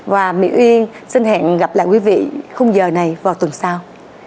và mỹ uyên xin hẹn gặp lại quý vị không giờ này vào tuần sau